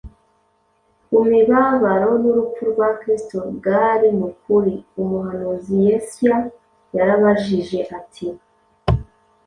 ku mibabaro n’urupfu rwa Kristo bwari mu kuri! Umuhanuzi Yesya yarabajije ati,